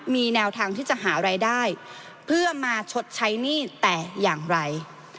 มีแนวทางที่จะหารายได้เพื่อมาชดใช้หนี้แต่อย่างไร